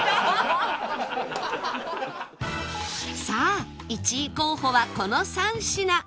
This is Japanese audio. さあ１位候補はこの３品